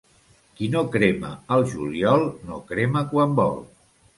Qui no crema al juliol, no crema quan vol.